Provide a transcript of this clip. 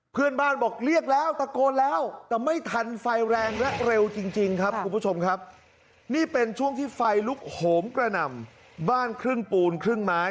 เพื่อนบ้านบอกเรียกแล้วตะโกนแล้วแต่ไม่ทันไฟแรงและเร็วจริงครับคุณผู้ชมครับนี่เป็นช่วงที่ไฟลุกโหมกระหน่ำบ้านครึ่งปูนครึ่งไม้